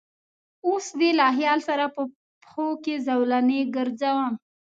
اوس دې له خیال سره په پښو کې زولنې ګرځوم